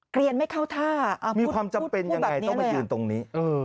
เกลียนไม่เข้าท่าพูดแบบนี้เลยมีความจำเป็นอย่างไร